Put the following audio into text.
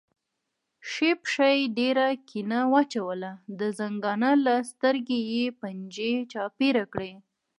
ښي پښه یې پر کیڼه واچوله، د زنګانه له سترګې یې پنجې چاپېره کړې.